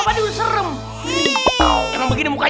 pak d jangan nangisin gitu dong